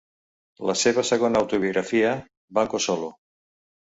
La seva segona autobiografia, Banco Solo!